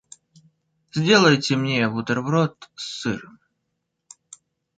Сделайте мне бутерброд с сыром.